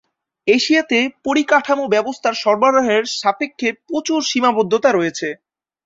এশিয়াতে পরিকাঠামো ব্যবস্থার সরবরাহের সাপেক্ষে প্রচুর সীমাবদ্ধতা রয়েছে।